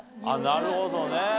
なるほどね。